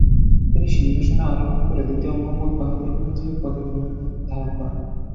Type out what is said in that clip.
তিনি সিংহাসনে আরোহণ করে দ্বিতীয় মহম্মদ বাহাদুর খানজী উপাধি ধারণ করেন।